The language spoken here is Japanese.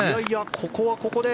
ここはここで。